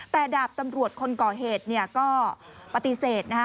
แต่ดาบตำรวจคนก่อเหตุก็ปฏิเสธนะฮะ